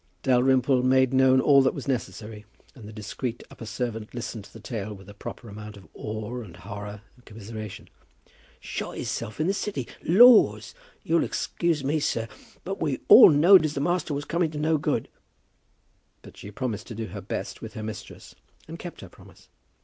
Dalrymple made known all that was necessary, and the discreet upper servant listened to the tale with a proper amount of awe and horror and commiseration. "Shot hisself in the City; laws! You'll excuse me, sir, but we all know'd as master was coming to no good." But she promised to do her best with her mistress, and kept her promise.